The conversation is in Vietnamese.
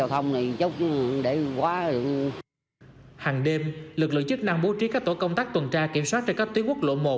hàng đêm lực lượng chức năng bố trí các tổ công tác tuần tra kiểm soát trên các tuyến quốc lộ một